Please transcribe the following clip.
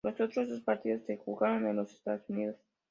Los otros dos partidos se jugaron en los Estados Unidos.